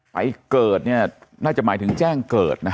ไปเกิดเนี่ยน่าจะหมายถึงแจ้งเกิดนะ